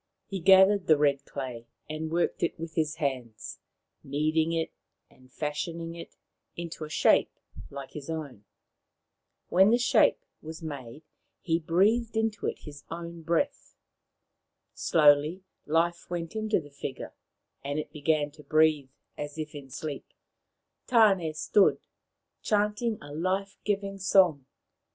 ' He gathered the red clay and worked it with his hands, kneading it and fashioning it into a shape like his own. When the shape was made he breathed into it his own breath. Slowly life went into the figure, and it began to breathe as if in sleep. Tan6 stood, chanting a life giving song.